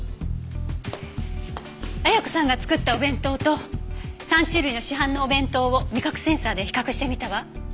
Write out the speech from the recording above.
綾子さんが作ったお弁当と３種類の市販のお弁当を味覚センサーで比較してみたわ。